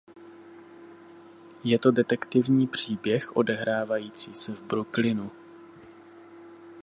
Je to detektivní příběh odehrávající se v Brooklynu.